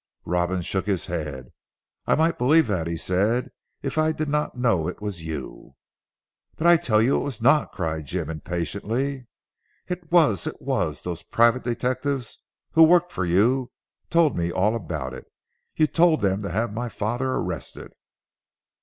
Robin shook his head. "I might believe that," he said, "if I did not know it was you." "But I tell you it was not!" cried Jim impatiently. "It was. It was. Those private detectives who worked for you told me all about it. You told them to have my father arrested."